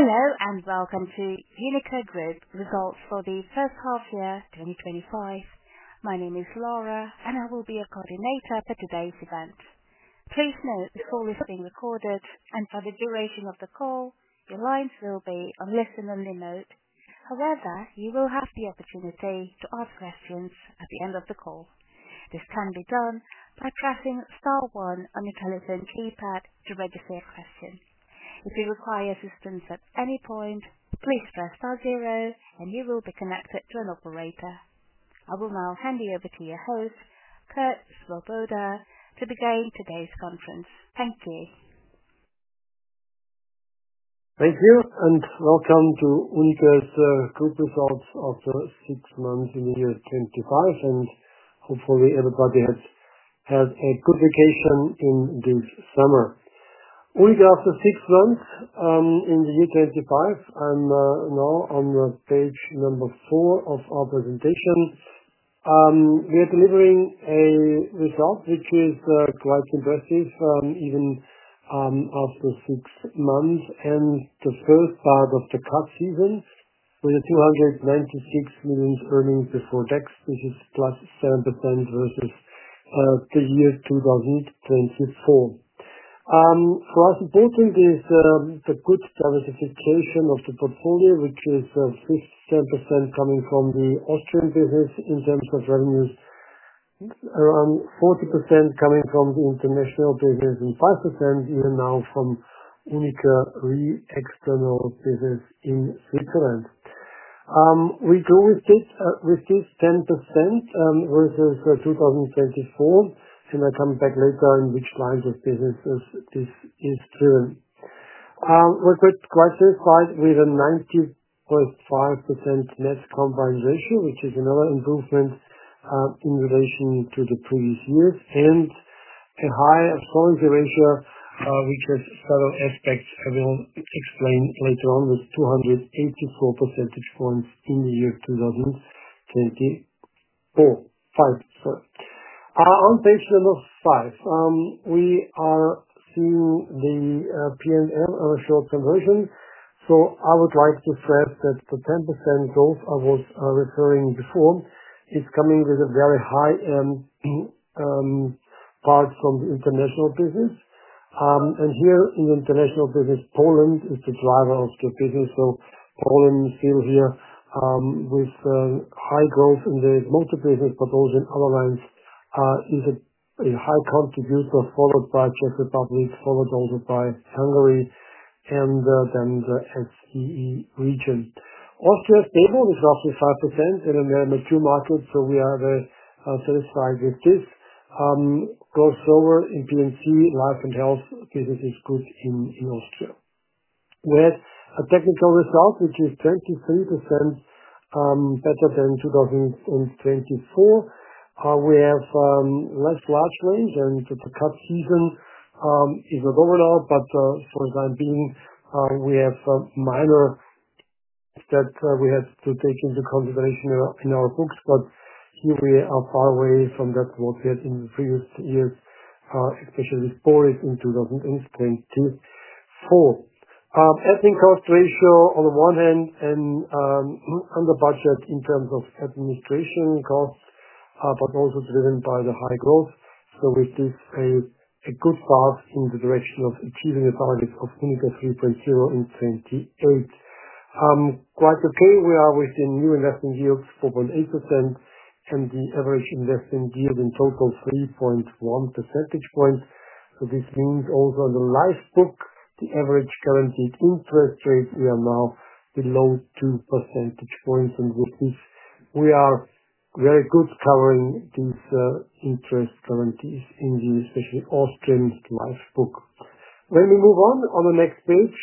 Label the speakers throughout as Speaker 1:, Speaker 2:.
Speaker 1: Hello and welcome to UNIQA results for the first half year 2025. My name is Laura and I will be your coordinator for today's event. Please note this call is being recorded, and for the duration of the call your lines will be on listen only mode. However, you will have the opportunity to ask questions at the end of the call. This can be done by pressing Star. one on the telephone keypad to register a question. If you require assistance at any point, please press Star, zero and you will be connected to an operator. I will now hand you over to your host, Kurt Svoboda, to begin today's conference. Thank you.
Speaker 2: Thank you and welcome to UNIQA's crypto thoughts. After six months in the year 2025 and hopefully everybody has a good vacation in this summer week. After six months in the week 95 I'm now on page number four of our presentation. We are delivering a result which is quite impressive even after six months and the first part of the cup season with a €296 million earnings before tax which is plus 7% the year 2024 for us. Importantly, this is a good service situation of the portfolio which is 50%-10% coming from the Austrian business in terms of revenues, around 40% coming from international business and 5% even now from UNIQA re external business. In Switzerland we grew with this 10% versus 2024. I come back later in which lines of businesses this is. We are quite satisfied with a 90.5% net combined ratio which is another improvement in relation to the previous years and a high quality ratio which has several aspects I will explain later on with 2.84 percentage points in the year 2024. First on page number five we are seeing the PNM on a short convers. I would like to stress that the 10% growth I was referring before is coming with a very high part from the international business. Here in international business Poland is the driver of the business. Poland here with high growth in the multi business proposal. Otherwise, it is a high point followed also by Hungary and then the SCE region. Austria stable with roughly 5% and in the two markets. We are satisfied if this goes over in PNC life and health cases is good. In Austria we had a technical result which is 23% better than 2024. We have less last rains and the cut season is a door now. For the time being we have minor that we had to take into consideration in our books. Here we are far away from that what we had in the previous years, especially stories in 2004, adding cost ratio on the one hand and under budget in terms of administration cost, but also driven by the high growth. This is a good path in the direction of achieving a target of omega 3.0 and 28. Quite okay, we are within new investment yields 4.8% and the average investment yield in total 3.1 percentage point. This means also under life book the average guaranteed interest rate. We are now below 2 percentage points, on which we are very good covering these interest guarantees in the especially Austrian's life book. When we move on on the next page,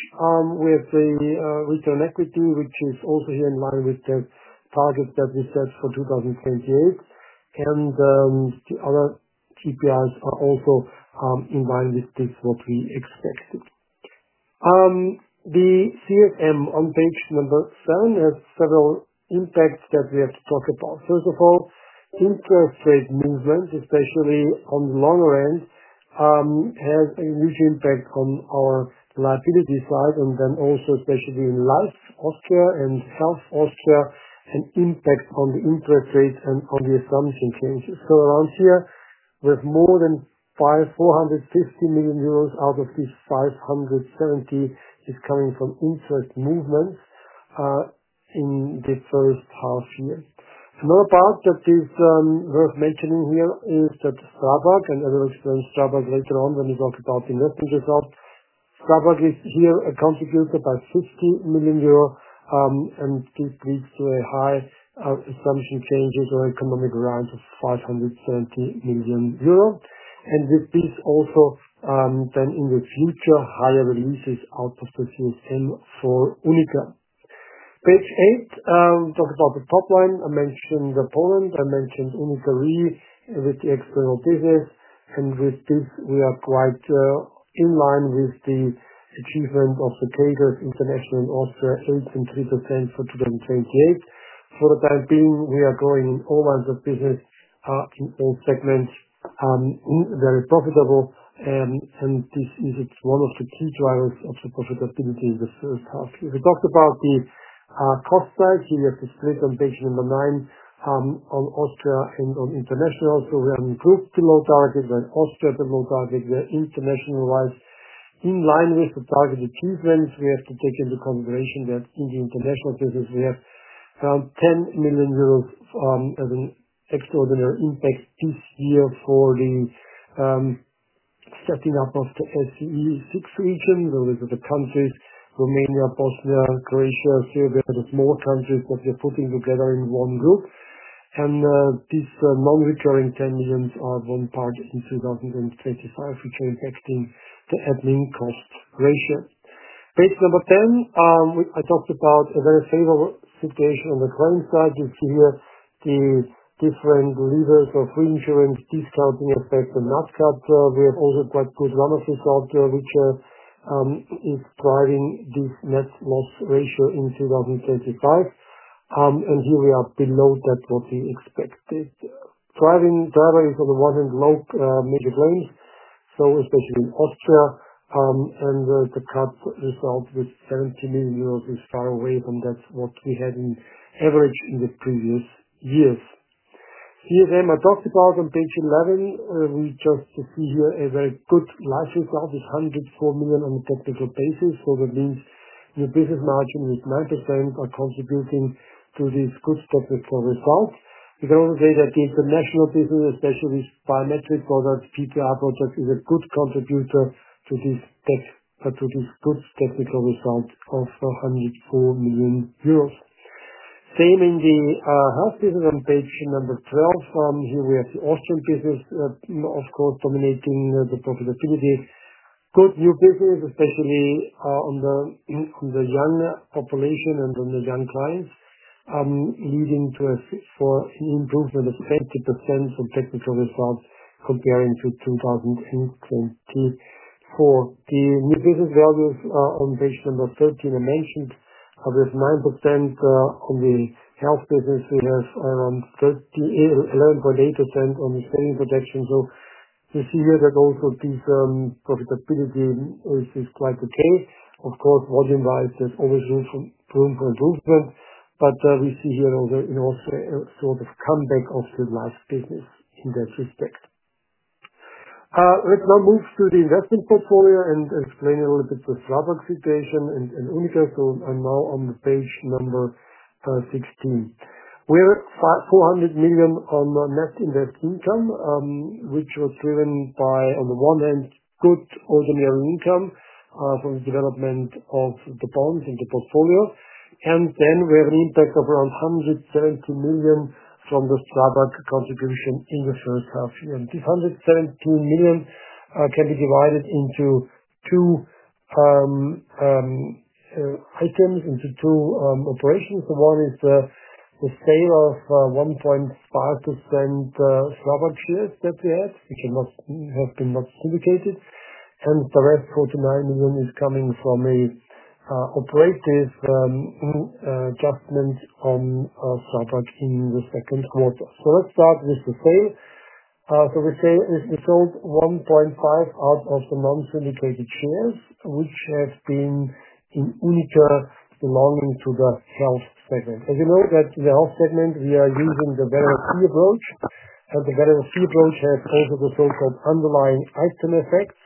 Speaker 2: we have a return on equity which is also here in line with the target that we searched for 2028 and the other KPIs are also in line with this what we expected. The CSM on page number seven has several impacts that we have talked about. First of all, interest rate movements, especially on the longer end, have a huge impact on our liability slide. Also, especially in life, Austria and South Austria, an impact on the interest rates and on the assumption changes. Around here, with more than €500 million, 450 million, out of these, €570 million is coming from interest movements in the first half year. Another part that is worth mentioning here is that Sravak, and I will explain Sravak later on when we talk about investing results. Starbuck is here accounted by €50 million, and this week high something changes or economic range of €520 million. With this, also then in the future, higher releases out of the system for UNIQA. Page eight talks about the top line. I mentioned Poland. I mentioned UNIQA really with the external business. With this, we are quite in line with the achievement of the CAGR international also at 8.3% for 2028. For the time being, we are growing in all lines of business in all segments that are profitable. This is one of the key drivers of the profitability. In the first half, we talked about the cost tag here at the slit on page number nine on Austria and on international. We have improved below target. While Austria is below target, we are international-wise in line with the targeted. We have to take into consideration that in contestment business, we have €10 million as an extraordinary impact this year for the setting up of the SCE six regions. This is the country Romania, Bosnia, Croatia. Here there were more countries that we are putting together in one group. These non-recurring tensions are one part in 2025 which are impacting the opening cost ratio. Page number 10, I talked about a very favorable situation on the claim side. You see here the different levers of reinsurance, discounting effects and nuts. We have also quite good runaway cloud which is driving this net loss ratio in 2025. Here we are below that what we expected. Driving driver is on the one hand lope major claims, especially in Austria. The cut result €70 million is far away from that's what we had in average in the previous previous years. Here then, I talked about on page 11, we just see here a very good life result with €104 million on a topical basis. That means the business margin with 9% are contributing to these good stock results. You can also say that the international business, especially biometric products, PPR products, is a good contributor to this good technical result of €104 million. Same in the health business. On page number 12, here we have the Austrian business of course dominating the profit activity. Good new business, especially on the young population and on the young clients, leading to an improvement of 30% from technical results comparing to 2024, the new business values. On page number 13, I mentioned this 9% on the health business have around 30. 11.8% on the trading projection. You see here that also this profitability is quite detail. Of course, volume-wise there's always room for improvement. We see here also the comeback of the last business in the fiscal. Let's now move to the investment portfolio and explain a little bit the Starbuck situation and Unifesto. I'm now on page number 16. We're €400 million on net invest income which was driven by, on the one hand, good ordinary income from the development of the bonds in the portfolio. Then we have an impact of around €170 million from the contribution in the first half year. This €117 million can be divided into two items, into two operations. The one is the sale of 1.5% Sravak shares have been not indicated. Hence, the rest 49 is coming from an operative adjustment on fabrics in the second quarter. Let's start with the same. We sold 1.5 out of the non-celebrated force which have been in either belonging to the self segment. As you know, that of course means we are using the barrel. The various steel growth had also the so-called underlying item effects.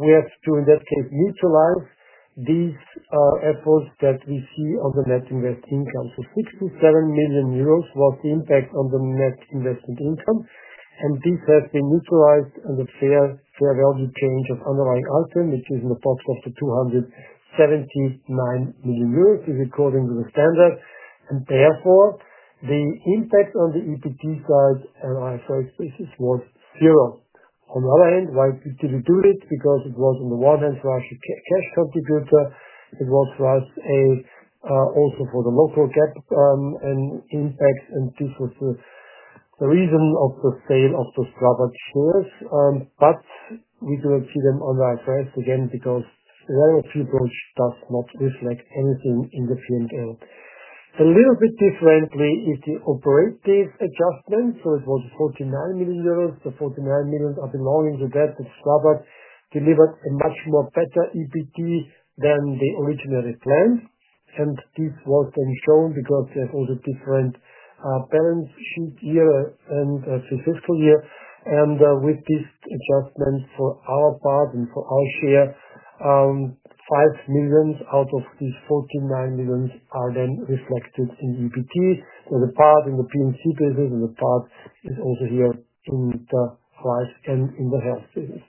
Speaker 2: We have to, in that case, neutralize these efforts that we see on the net investing. Example, €6 million-€7 million was the impact on the net investment income. This has been neutralized under fair value terms of underlying outcome which is in the pot for €279 million according to the standard and therefore the impact on the EPT side and our first business was zero. On the other hand, why did it do it? Because it was on the one hand for us testicutter, it was also for the local gap and impact and this was the reason of the sale of those properties. We do not see them on first again because one of the projects does not reflect anything in the film or a little bit differently is the operating adjustment. It was €49 million. The €49 million are belonging to that the Sravak delivered a much more better EBIT than the original response. This was then shown because here hold a different balance year and a successful year. With this adjustment for our part and for our share, €5 million out of these €49 million are then reflected in EBT, the part in the P&C business and the part is also here in the five and in the first places.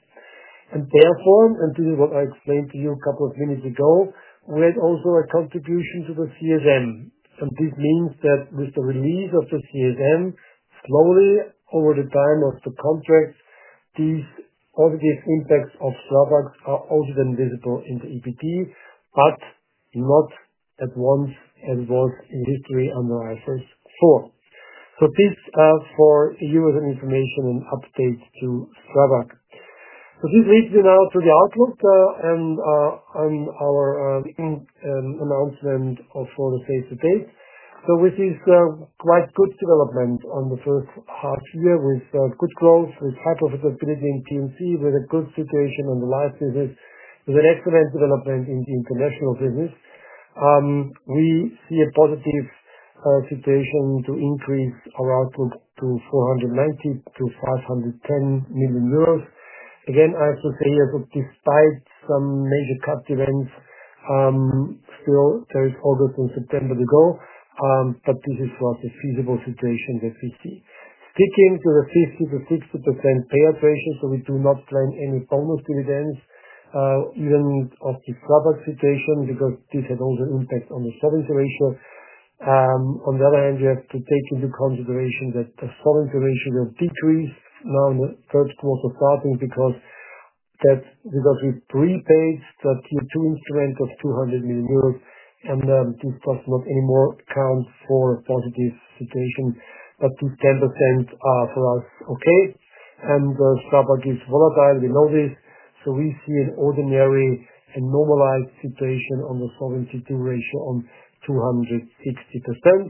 Speaker 2: Therefore, and this is what I explained to you a couple of minutes ago, we had also a contribution to the CSM. This means that with the release of the CSM slowly over the time of the contracts, these positive impacts of Sravaks are also then visible in the EBT but not at once, as was history on the ISS 4. These are for your information and updates to Sravak. This leads you now to the outlook and our announcement for the fates of taste. We see quite good development in the first half year with good growth, with high profitability in P&C, with a good situation on the life business, and an excellent development in the international business. We see a positive situation to increase our output to €490 million-€510 million. Again, I have to say, despite some major tax events, still very focused on September to go. This is for the feasible situation, the 50%-60& payout ratios so we do not claim any bonus dividends even because this had all the impact on the 17% ratio. On the other hand, we have to take into consideration that the solvency ratio decreased now in the first quarter starting because we prepaid Tier 2 instrument of €200 million and this does not anymore count for positive situation. This 10% for US okays and stab A is volatile, we know this. We see an ordinary and normalized situation on the solvency issuing ratio on 260%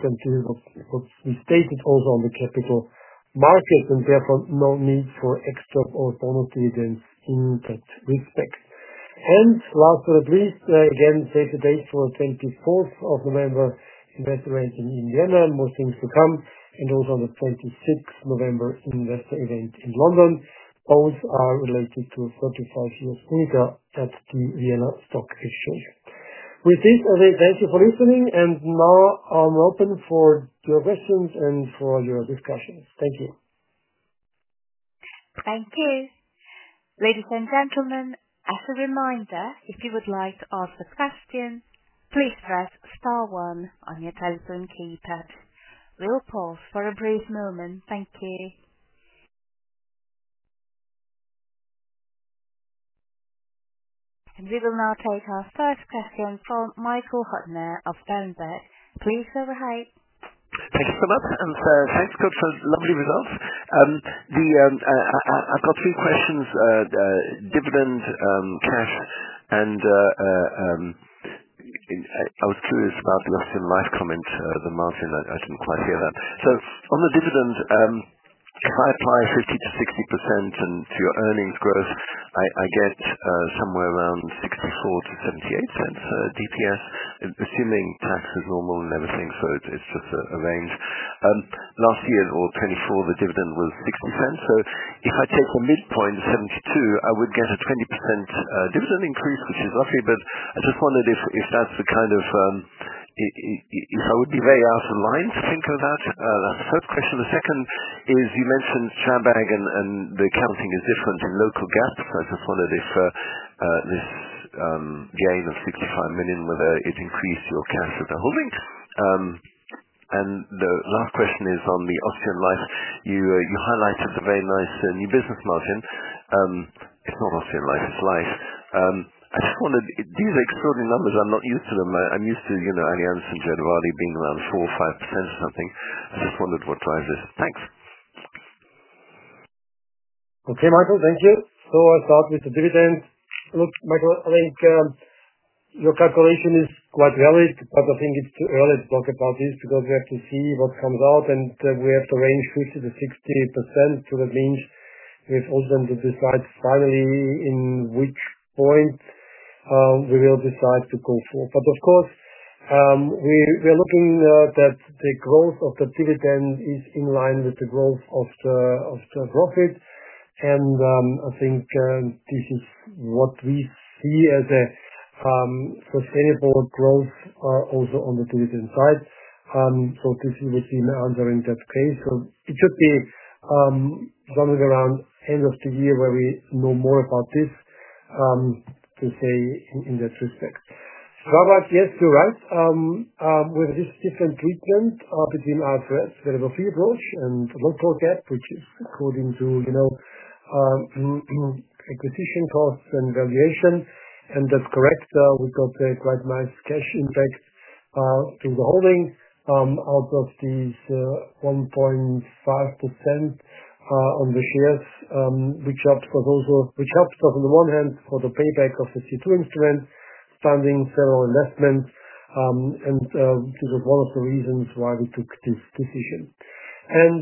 Speaker 2: until the capital market and therefore no need for extraordinary events in that respect. Last but not least, again set the date for 24th of November investment in Vienna and most things to come. Also on the 26th November investor event in London. Both are related to 35 year split That's the Vienna Stock Exchange. With this, thank you for listening and now I'm open for your questions and for your responses. Thank you.
Speaker 1: Thank you, ladies and gentlemen. As a reminder, if you would like to ask a question, please press Star, one on your telephone keypad. We'll pause for a brief moment. Thank you. We will now take our first question from Michael Hudner of Danske Bank. Please go ahead.
Speaker 3: Thank you so much, and thanks, Kurt, for lovely results. I've got three questions. Dividend, cash and I was curious about your life comment. The margin, I can't quite hear that. On the dividend, if I apply 50- 60% and fewer earnings growth, I get somewhere around 64% to 78% DPF, assuming tax is normal and everything. It's just a range. Last year or 2024, the dividend was 6%. If I stick on midpoint 72, I would get a 20% dividend increase. I just wondered if that's the kind of, if I would be very out of the line. Think of that third question. The second is you mentioned Schabag and the accounting is different local GAAPs, this gain of $65 million, whether it increased your chance at the hoeing. The last question is on the Austrian Life. You highlighted the very nice new business margin. It's not Austrian Life, it's life. I just wanted these extraordinary numbers. I'm not used to them. I'm used to, you know being around 4%, 5% or something. I just wondered what drives it.
Speaker 2: Thanks. Okay, Michael, thank you. I start with the dividend. Look Michael, I think your calculation is quite valid, but I think it's too early to talk about this because we have to see what comes out and we have to range 50%-60% to the income with all them to decide finally in which point we will decide to go forward. Of course, we are looking that the growth of the dividend is in line with the growth of the Profit. I think this is what we see as a sustainable growth also on the dividend side. This is what we see now. It should be running around end of the year where we know more about this to say in that respect. Robert? Yes, you're right. We have this different region between our variable free brochure and workout which is according to, you know, acquisition costs and valuation and that's correct. We copy quite nice cash in page to the holding out of these 1.5% on the shares which helps us on the one hand for the payback of the C2 instrument funding several investment. This is one of the reasons why we took this decision.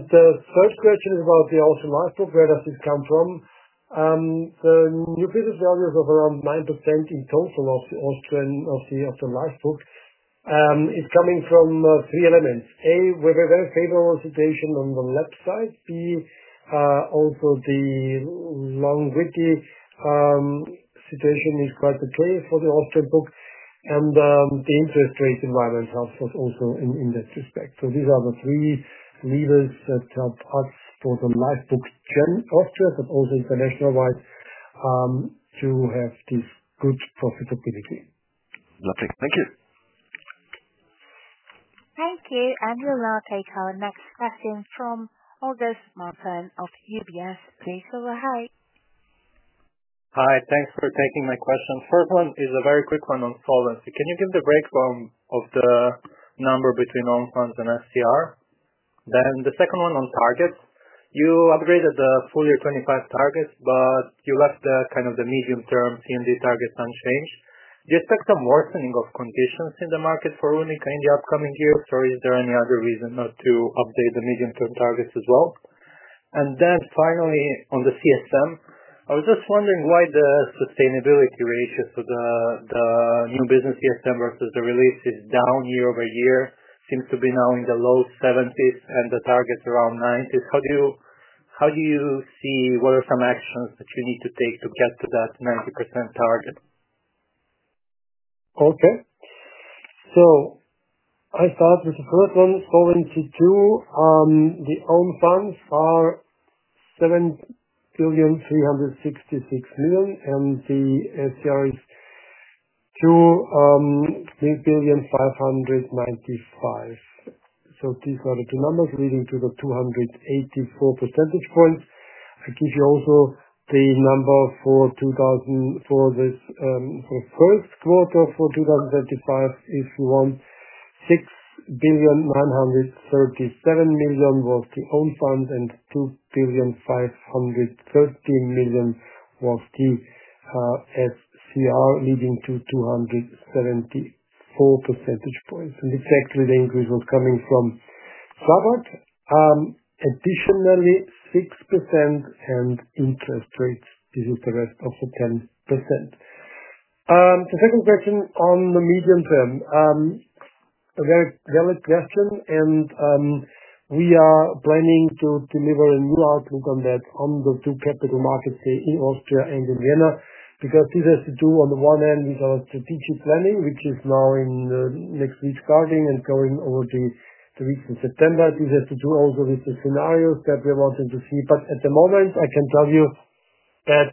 Speaker 2: The third question is about the ocean lifetime, where does it come from? The nucleus values of around 9% in total of the livestock is coming from three elements. A with a very favorable situation on the left side. B also the long width situation is quite the truth for the offset book. The interest rate environment helps us also in that respect. These are the three levers that help us for the last book, but also international wide you have this good profitability.
Speaker 3: Lovely. Thank you.
Speaker 1: Thank you. We will now take our next question from August Marčan of UBS. Please, over. Hi.
Speaker 4: Hi. Thanks for taking my question. First one is a very quick one on solvency. Can you give the breakdown of the number between own funds and FCR? The second one on targets, You upgraded the full year 2025 targets, but you left kind of the medium term T&D targets unchanged. Do you expect some worsening of conditions in the market for UNIQA in the upcoming year? Is there any other reason not to update the medium term targets as well? Finally, on the CSM, I was just wondering why the sustainability ratio, so the new business CSM versus the release, is down year over year. It seems to be now in the low 70s and the target is around 90s. How do you see what are some actions that you need to take to get to that 90% target?
Speaker 2: Okay, so I start with he first one, Q2 The own funds are €7.366 trillion and the FCR is €3.595 billion These are the two numbers leading to the 284% points. I give you also the number for 2023 for this, for first quarter for 2023 issue €6.937 billion were the own funds and €2.5130 million was the FCR leading to 274% points. The increase was coming from additionally 6% and interest rates resulted 10%. The second question on the medium term, a very valid question. We are planning to deliver a new outlook on that on the two capital markets in Austria and in Vienna. This has to do on the one hand with our strategic planning, which is now in the next guarding and going over the weeks in September. This has to do also with the scenarios that we are wanting to see. At the moment I can tell you that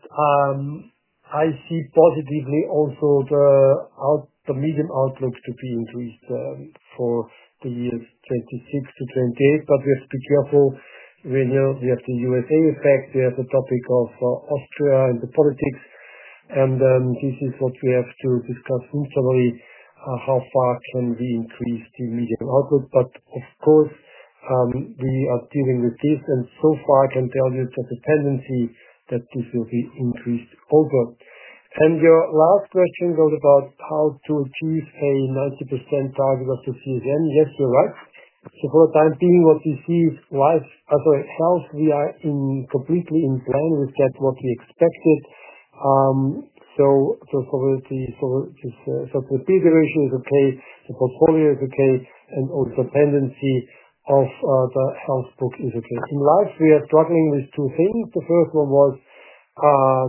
Speaker 2: I see positively also the medium outlooks to be increased for the years 2026 to 2028. We have to be careful. We know we have the U.S.A effect. We have a topic of Austria and the politics and this is what we have to discuss how far can we increase the medium outlook. Of course we are dealing with these and so far I can tell you it's just a tendency that this will be increased over. Your last question was about how to achieve a 90% target of your. Yes, you're right. For the time being what we see was as ourselves we are completely in ground, we've had what we expected. So B D ratio is okay, the portfolio is okay and also dependency of the health book etc in last we are struggling with two things. The first one was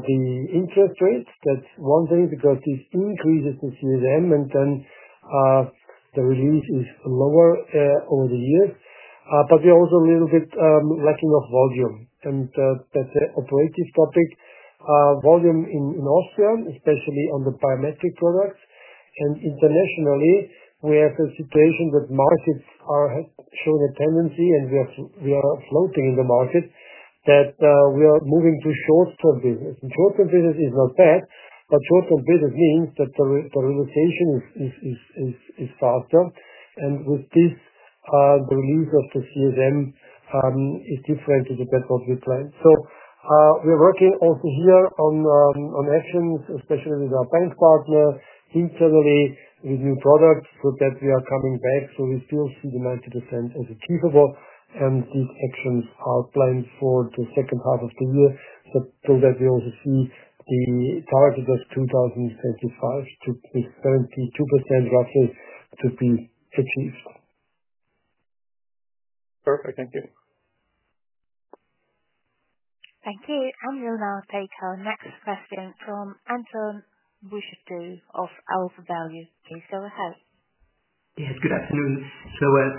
Speaker 2: the interest rates. That's one thing because these two increases in CSM and then the relief is lower over the years but we also a little bit lacking of volume and that's the operative topic volume in Austria, especially on the biometric products and internationally we have a situation that markets are showing a tendency and we are floating in the market that we are moving to source from business. Short term business is not bad but broad term business means that communication is far jumped and with this the release of the CSM is different to the catalogue plan. We are working also here on actions especially with our bank partner internally review products so that we are coming back. We still see the 90% as achievable and these actions are planned for the second half of the year but till that we also see the target of 2025 to 72% roughly to feel perfect.
Speaker 4: Perfect. Thank you.
Speaker 1: Thank you. You'll now take our next question from Antoine Bouchetoux of AlphaValue. Please go ahead.
Speaker 5: Yes, good afternoon.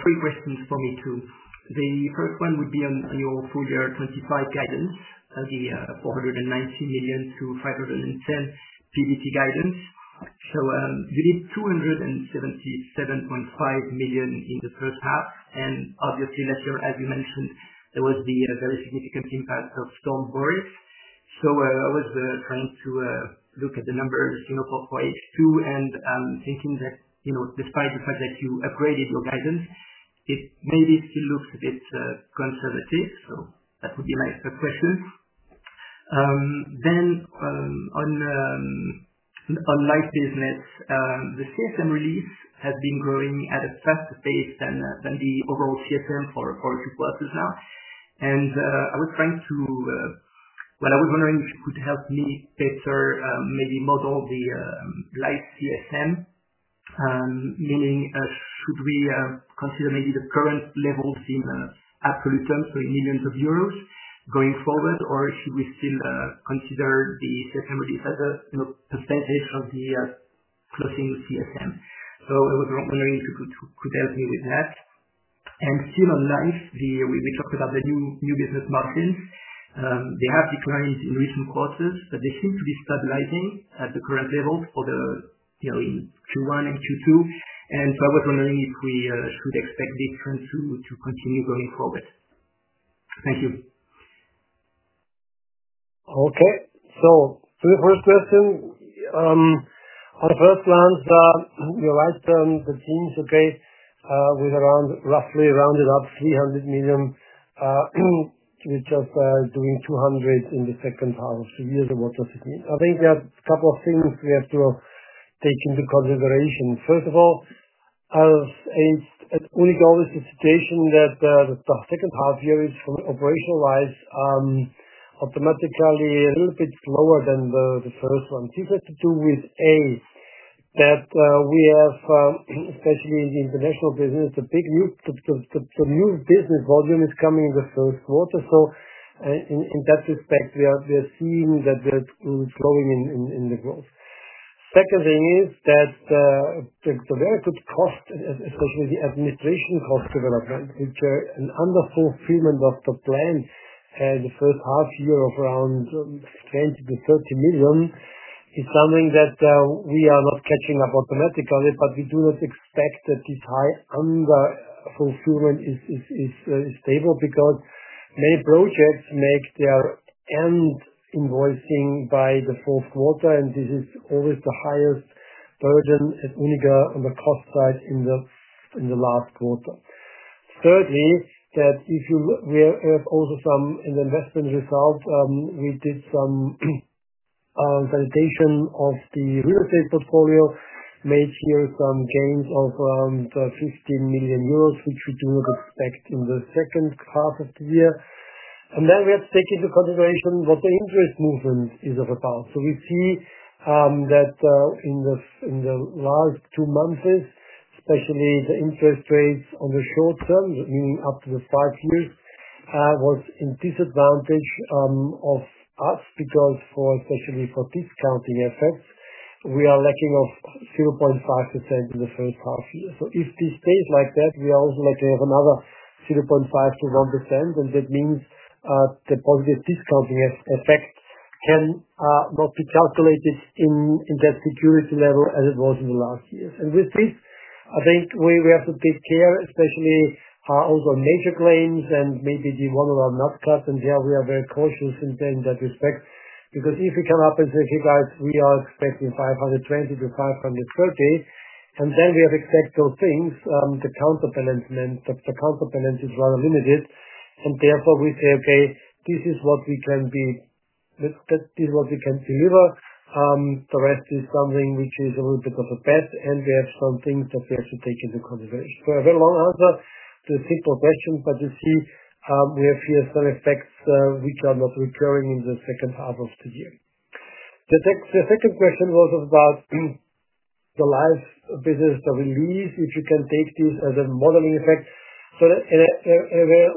Speaker 5: Three questions for me too. The first one would be on your full year 2025 guidance, the €419 million-€510 million pre-tax profit guidance. You did €277.5 million in the first half and obviously as you mentioned there was the very significant impact of Storm Boris. I was trying to look at the numbers for H2 and thinking that, despite the fact that you upgraded your guidance, it maybe still looks a bit conservative. That would be my expectations. On live business the full term release has been growing at a faster pace than the overall CSM for the quarters now. I was wondering if it could help me better maybe model the life CSM, meaning could we consider maybe the current levels in absolute millions of euros going forward, or should we still consider the percentage of the closing CSM? It was to help me with that. Still on new business margins, they have declined in recent quarters in addition to stabilizing at the current levels for Q1 and Q2. I was wondering if we should expect this trend to continue going forward. Thank you.
Speaker 2: Okay, so to the first question. On first plans, your ice term the change debate was around roughly rounded up €300 million. We're just doing €200 million in the second half year. I think that a couple of things we have to take into consideration. First of all as it's only always thethe situation that the second half year is operational wise automatically a little bit slower than the first one, with aim that we have especially in the international business. The big new, the new business volume is coming in the first quarter. In that respect we are seeing that growing. The second thing is that the very good cost administration cost development which under fulfillment of the plans in the first half year of around €30 million is something that we are not catching up automatically. We do not expect that this high under fulfillment is stable because many projects make their invoicing by the fourth quarter. This is always the highest margin at omega on the cost side in the last quarter. Third is that you have also some investment results. We did some validation of the real estate portfolio, made here some gains of around €15 million, which we do a good in the second half of the year. We have to take into consideration what the interest movement is about. We see that in the last two months, especially the interest rates on the short term, meaning up to the five weeks, was in disadvantage of us. Especially for discounting assets, we are lacking of 0.5% in the first half year. If this stays like that, we are also another 0.5%-1%. That means the positive discounting effect cannot be calculated in that security level as it was in the last years. With this we have to take care especially claims and maybe the one of our Nascraft. We are very cautious in that respect. If we can happens if you guys, we are expecting 520-530. Then we have exact two things. The counter balance and then the counter balance is rather limited. Therefore we say, okay, this is what we can be, this is what we can deliver. The rest is something which is a little bit of the best. There are some things that we have to take into consideration. A very long answer to a simple question. You see we have here some effects which are not recurring in the second half of the year. The second question was about the life business, the release which you can take use as a modeling effect. A very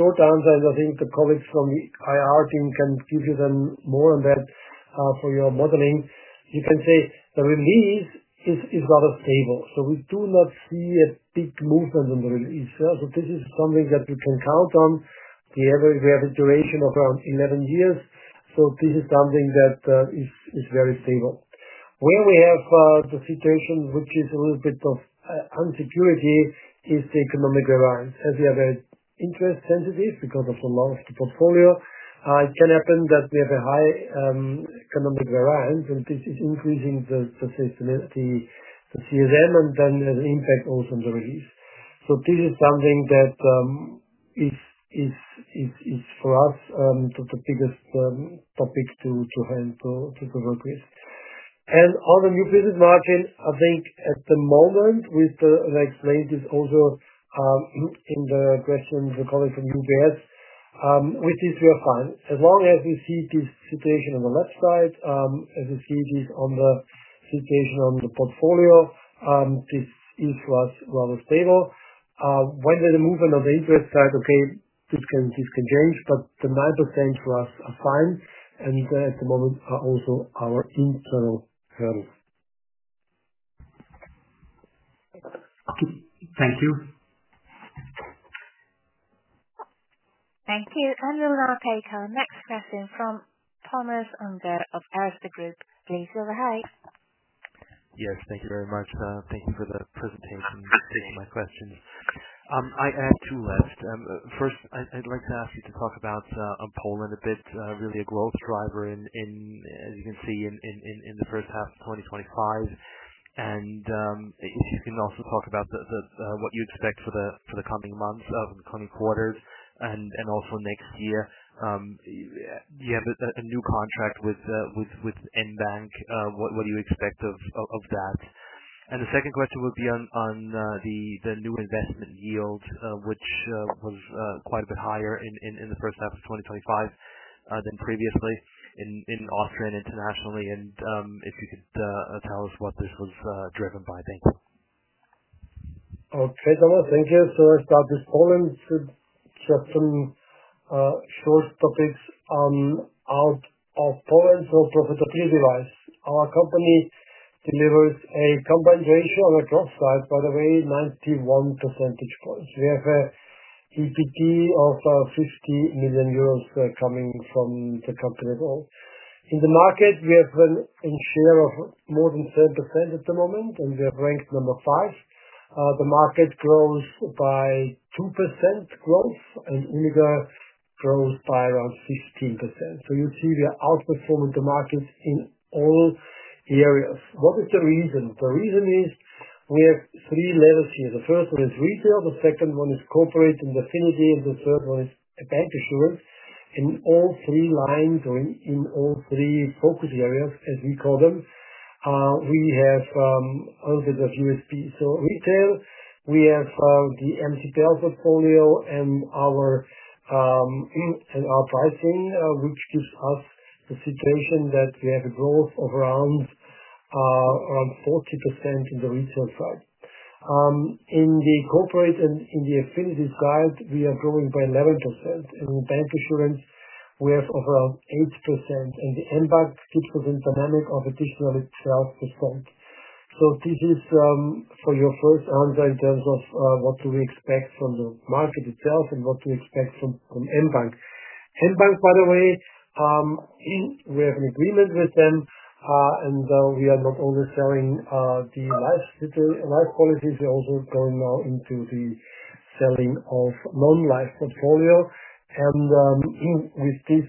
Speaker 2: short answer, and I think the colleagues from the IR team can give you more on that for your modeling. You can say the release is rather stable. We do not see a big movement on each issue. This is something that we can count on. On average, we have a duration of around 11 years. This is something that is very stable. Where we have the situation, which is a little bit of unsecurity, is economic reliance. We are very interest sensitive because of the loss of the portfolio. It can happen that we have a high economic reliance, and this is increasing the sustainability, the CSM, and then the impact also on the release. This is something that is for us the biggest topic to handle, to work with. On the new business margin, I think at the moment with twith the like, latest order in the questions we're calling from UBS, which is we are fine. As long as we see this situation on the left side, as we see this on the situation on the portfolio, this is for us rather stable. When there's a movement of interest side, okay, this can this can change, but the 9% for us are fine. And at the moment, also our internal hurdles.
Speaker 5: Thank you.
Speaker 1: Thank you. Next, passing from Thomas Unger of Arista Group. Please go ahead.
Speaker 6: Yes, thank you very much. Thank you for the presentation and for taking my question. I have two left. First, I'd like to ask you to talk about Poland a bit. Really a growth driver, as you can see in the first half, 2025. You can also talk about what you expect for the coming months of coming quarters and also next year. Do you have a new contract with bancassurance channels? What do you expect of that? The second question would be on the new investment yield, which was quite a bit higher in the first half of 2025 than previously in Austria and internationally. If you could tell us what this was driven by. Thanks.
Speaker 2: Okay, Thomas. Thank you. I start this fall and should have some short topics out of foreign for profitability device. Our company delivered a combined ratio on the gross side, by the way, 91%. We have a GPD of €60 million coming from the company. In the market you have in share of more than 7% at the moment. We have ranked number five. The market grows by 2% growth and Omega grows by around 15%. You see we are outperforming the market in all areas. What is the reason? The reason is we have three levels here. The first one is retail, the second one is corporate and affinity, and the third one is the pantry stores. In all three lines or in all three focus areas as we call them, we have also got USP. Retail, we have the MTPL portfolio and our pricing, which gives us the situation that we have a growth of around 40% in the resource side. In the corporate and in the affiliated guide, we are growing by 11%. In bank, we have over 8% and the mBank 2% dynamic of additional itself default. This is for your first answer in terms of what do we expect from the market itself and what to expect from mBank. Bank, by the way, we have an agreement with them and we are not only selling the life policies, going on into the selling of non-life portfolio, and with this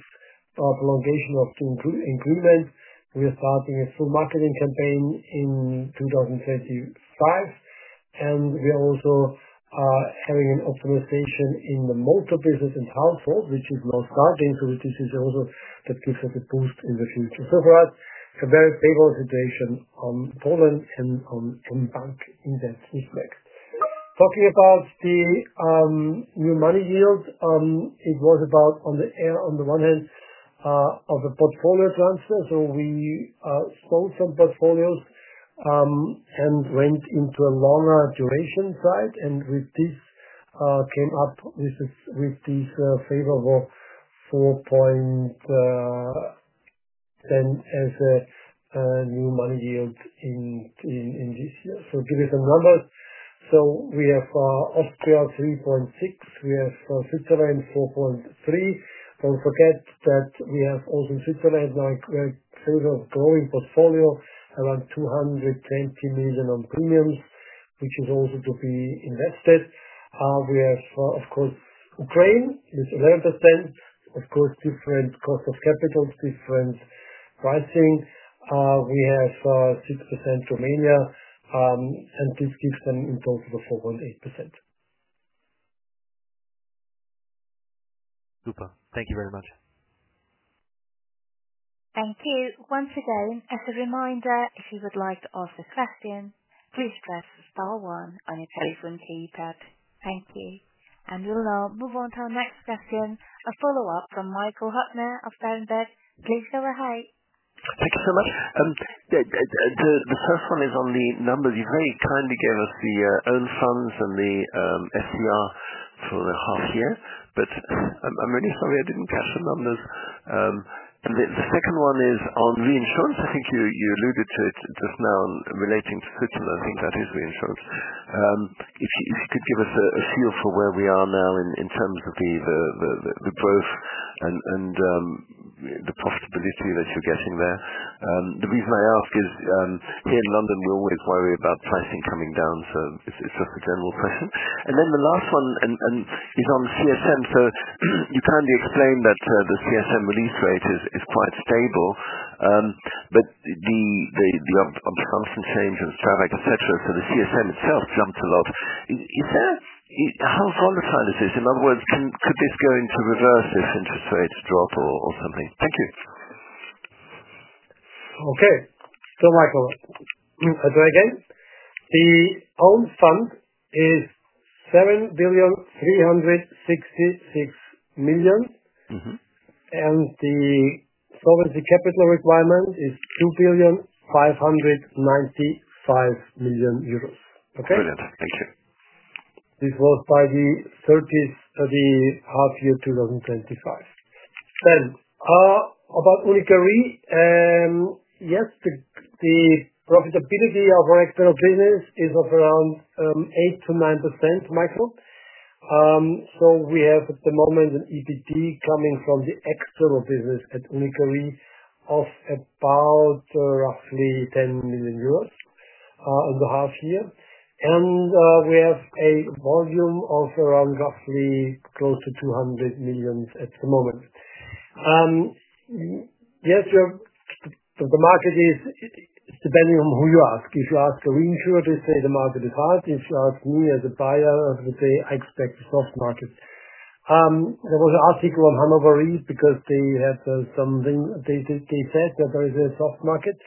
Speaker 2: prolongation of improvement, we are starting a full marketing campaign in 2035. We also are having an optimization in the multi business in township, which is now striking. This is also that gives us a boost in the future. So far it's a very stable situation. On Poland and on mBank in that respect. Talking about the new money yield, it was about on the one hand of the portfolio transfer. We sold some portfolios and ranged into a longer duration side and with this came up, this is with these favorable 4 point then as a new money yield in this year. Give you some numbers. We have Austria 3.6, we have Switzerland 4.3. Don't forget that we have also growing portfolio around €220 million on premiums, which is also to be invested. We have, of course, Ukraine, of course different cost of capital, different pricing. We have 6% Romania, and this keeps them in both the 4.8%.
Speaker 6: Super, thank you very much.
Speaker 1: Thank you. Once again, as a reminder, if you would like to ask a question, please press Star, one on your telephone keypad. Thank you. We'll now move on to our next question, a follow-up from Michael Hutner of Berenberg. Please go ahead.
Speaker 3: Thank you so much. The first one is on the numbers. You very kindly gave us the own funds and the SCR for a half year, but I'm really sorry, I didn't catch the numbers. The second one is on the insurance. I think you alluded to it just now relating to Switzerland. I think that is the insurance. If you could give us a feel for where we are now in terms of the growth and the profitability that you're getting there. The reason I ask is here in London we always worry about pricing coming down, so it's just a general session, and then the last one is on CSM. So You kindly explained that the CSM release rate is quite stable, but you have a function change in strike, etc. The CSM itself jumped a lot. How volatile is this? In other words, could this go into reverse if interest rates drop for some reason. Thank you.
Speaker 2: Okay, so Michael, I'll try again. The own fund is €7.366 billion and the solvency capital requirement is €2.595 billion. Okay?
Speaker 3: Thank you.
Speaker 2: This was by the 30th half year, 2025. Then about UNIQA Re. Yes. The profitability of our external reinsurance business is of around 8%-9%. Michael, we have at the moment an EBITDA coming from the external reinsurance business at UNIQA Re of about roughly €10 million on the half year, and we have a volume of around roughly close to €200 million at the moment. Yes, the market is depending on who you ask. If you ask a reinsurer, the market is hard. If you ask as a buyer, I would say I expect a soft market. There was an article on Hannover East because they had something, they said that there is a soft market.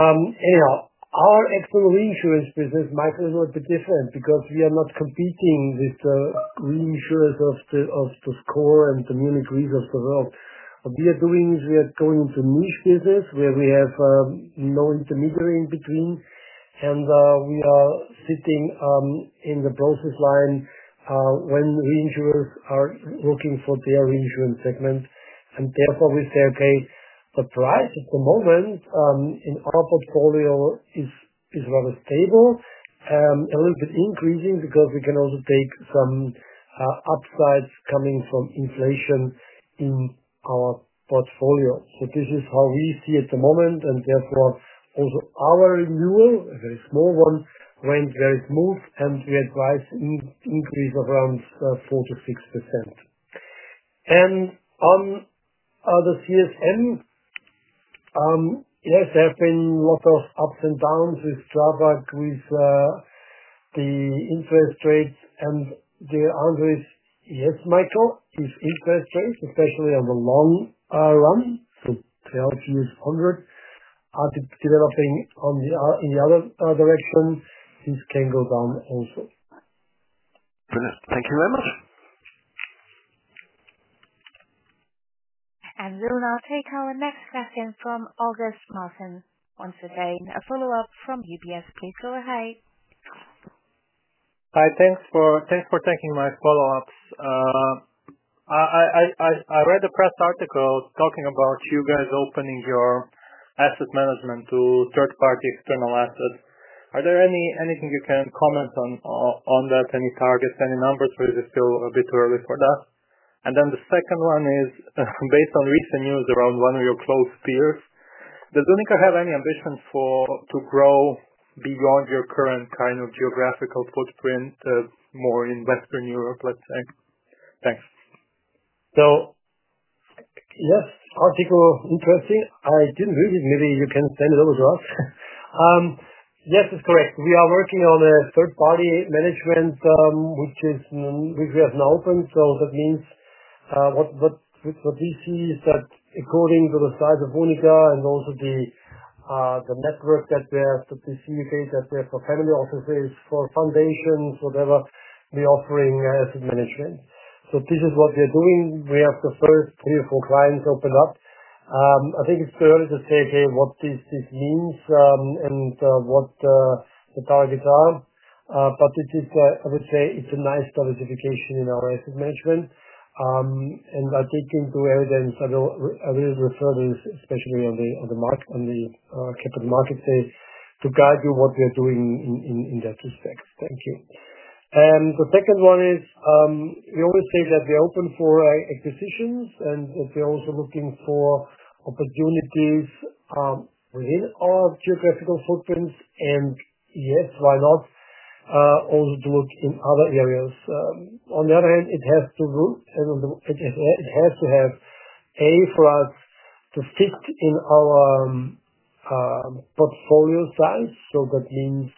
Speaker 2: Anyhow, our export reinsurance business might be a bit different because we are not competing with reinsurers of the SCOR and Munich Re of the world. What we are doing is we are going into new business where we have no intermediary in between, and we are sitting in the process line when reinsurers are looking for their reinsurance segment. Therefore, we say the price at the moment in our portfolio is rather stable, a little bit increasing because we can also take some upsides coming from inflation in our portfolio. This is how we see at the moment and therefore also our renewal, a very small one, went very smooth and we advised increase around 4% 06%. On the CSM, yes, have been a lot of ups and downs with traffic with the interest rates. The answer is yes, Michael, it is interest rates, especially on the long run. So the RT is 100 are developing on the other direction. He's single down also.
Speaker 3: Brilliant. Thank you very much.
Speaker 1: We'll now take our next question from August Marčan on Sardin, a follow-up from UBS. Please go ahead.
Speaker 4: Hi, thanks for taking my follow ups. I read a press article talking about you guys opening your asset management to third party external assets. Are there anything you can comment on that? Any targets, any numbers? Is it still a bit too early for that? The second one is based on recent news around one of your close peers. Does UNIQA have any ambitions to grow beyond your current kind of geographical footprint more in Western Europe, let's say? Thanks.
Speaker 2: Yes, article interesting. I didn't read it. Maybe you can send it over to us. Yes, it's correct. We are working on a third party management, which we have now opened. That means what we see is that according to the size of UNIQA and also the network that they have to seek, that there for family offices, for foundations, whatever, we are offering asset management. This is what we are doing. We have the first three or four clients open up. I think it's early to say what this means and what the targets are, but it is, I would say, it's a nice solidification in our asset management. I take into evidence, I will refer this specifically on the market, on the capital market, to guide you what we are doing in that respect. Thank you. The second one is you always say that we are open for acquisitions and we are also looking for opportunities within our geographical footprints. Yes, why not also do it in other areas? On the other hand, it has to have a fit to our portfolio size. Got linked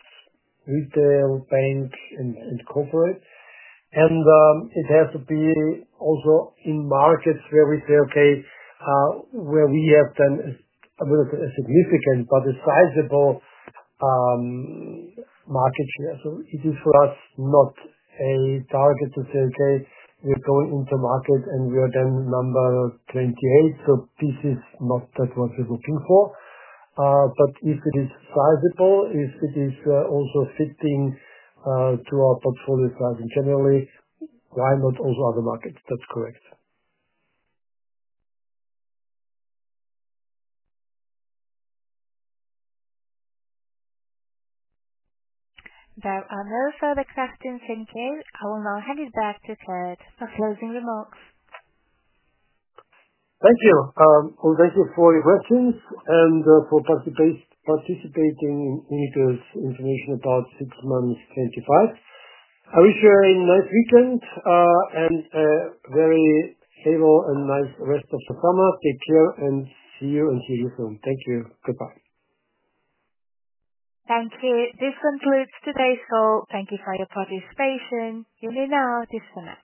Speaker 2: with the banks and corporate, and it has to be also in markets where we say, okay, where we have then a significant but a sizable market share. It is for us not a target to say, okay, we're going into market and we are then number 28. This is not what we're looking for. If it is sizable, if it is also fitting to our portfolio size in general, why not also other markets? That's correct.
Speaker 1: There are no further questions in queue. I will now hand it back to Kurt for closing remarks.
Speaker 2: Thank you all gracious for your questions and for participating in those information. About 6 months 2025. I wish you a nice weekend and a very stable and nice rest of the comma. Take care and hear and hear from. Thank you. Goodbye.
Speaker 1: Thank you. This concludes today's call. Thank you for your participation. You may now disconnect.